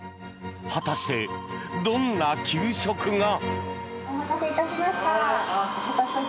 果たして、どんな給食が。